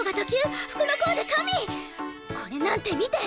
これなんて見て！